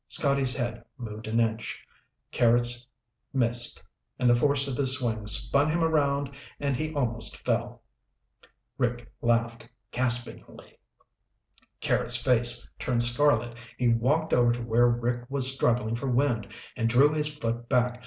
Scotty's head moved an inch. Carrots missed, and the force of his swing spun him around and he almost fell. Rick laughed gaspingly. Carrots' face turned scarlet. He walked over to where Rick was struggling for wind and drew his foot back.